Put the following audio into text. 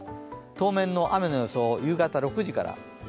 当面の雨の予想、夕方６時から。